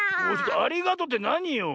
ありがとうってなによ？